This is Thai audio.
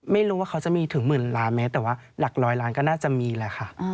ไม่รู้ว่าเขาจะมีถึงหมื่นล้านเมตรแต่ว่าหลักร้อยล้านก็น่าจะมีแหละค่ะ